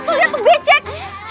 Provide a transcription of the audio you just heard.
tuh lihat tuh becek